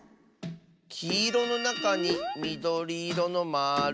きいろのなかにみどりいろのまる。